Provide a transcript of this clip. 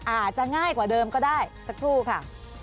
อาจจะง่ายกว่าเดิมก็ได้สักครู่ค่ะ